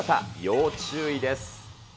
要注意です。